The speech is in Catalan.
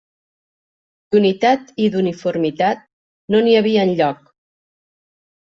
D'unitat i d'uniformitat, no n'hi havia enlloc.